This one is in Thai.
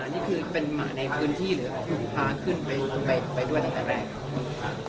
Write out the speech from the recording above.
หมานี่คือเป็นหมาในพื้นที่หรือหาขึ้นไปด้วยอย่างแรก